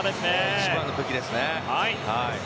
一番の武器ですね。